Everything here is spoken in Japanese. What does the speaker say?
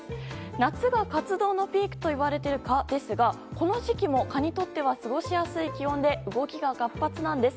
夏が活動のピークといわれている蚊ですがこの時期も蚊にとっては過ごしやすい気温で動きが活発なんです。